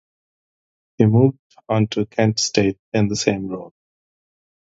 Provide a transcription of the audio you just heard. He moved on to Kent State in the same role.